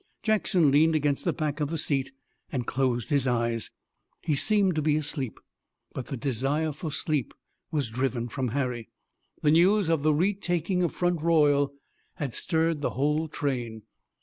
Jackson leaned against the back of the seat and closed his eyes. He seemed to be asleep. But the desire for sleep was driven from Harry. The news of the retaking of Front Royal had stirred the whole train.